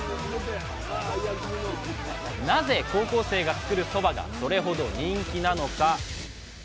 なぜ高校生が作るそばがそれほど人気なのか。